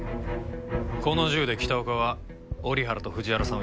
この銃で北岡は折原と藤原さんをやった。